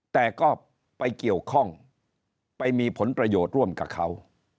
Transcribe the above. แต่ก็ไปเกี่ยวข้องไปมีผลประโยชน์ร่วมกับเขา